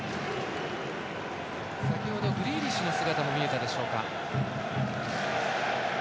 先程、グリーリッシュの姿も見えていたでしょうか。